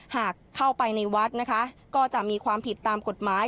หากเข้าไปในวัดนะคะก็จะมีความผิดตามกฎหมาย